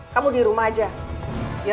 kamu di rumah aja